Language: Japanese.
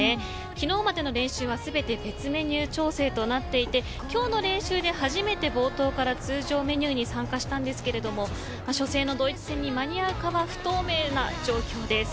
昨日までの練習は全て別メニュー調整となっていて今日の練習で初めて、冒頭から通常メニューに参加したんですけれども初戦のドイツ戦に間に合うかは不透明な状況です。